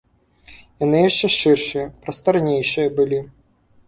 Яны яшчэ шыршыя, прастарнейшыя былі.